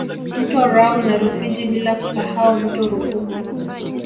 Mto Rau na Rufiji bila kusahau mto Rufugu